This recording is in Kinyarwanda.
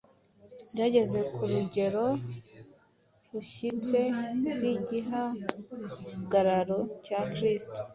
bageze ku rugero rushyitse rw’igihagararo cya Kristo.”